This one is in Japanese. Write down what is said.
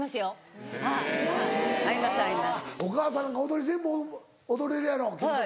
お母さんなんか踊り全部踊れるやろ君んとこ。